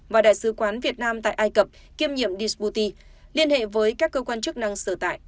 và đại sứ quán việt nam tại ai cập kiêm nhiệm dsbouti liên hệ với các cơ quan chức năng sở tại